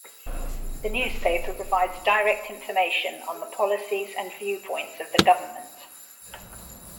The newspaper provides direct information on the policies and viewpoints of the government.